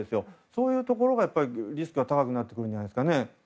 そういうところのリスクが高くなるんじゃないですかね。